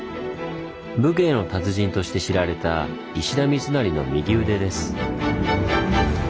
武芸の達人として知られた石田三成の右腕です。